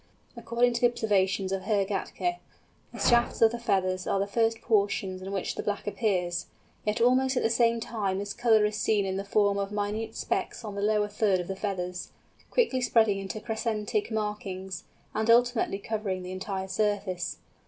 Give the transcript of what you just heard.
According to the observations of Herr Gätke, the shafts of the feathers are the first portions in which the black appears; yet almost at the same time this colour is seen in the form of minute specks on the lower third of the feathers, quickly spreading into crescentic markings, and ultimately covering the entire surface.